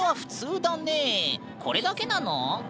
これだけなの？